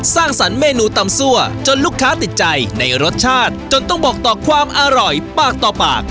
สร้างสรรคเมนูตำซั่วจนลูกค้าติดใจในรสชาติจนต้องบอกต่อความอร่อยปากต่อปาก